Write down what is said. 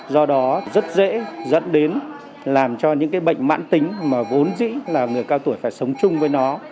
do đó rất dễ dẫn đến làm cho những cái bệnh mãn tính mà vốn dĩ là người cao tuổi phải sống chung với nó